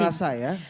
tidak terasa ya